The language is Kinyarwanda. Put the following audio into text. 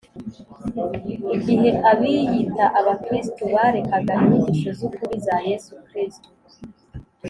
igihe abiyita Abakristo barekaga inyigisho z’ ukuri za Yesu Kristo.